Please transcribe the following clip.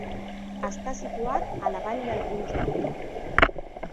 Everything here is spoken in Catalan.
Està situat a la vall del riu Genil.